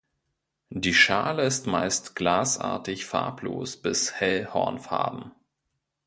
Die Schale ist meist glasartig-farblos bis hell-hornfarben.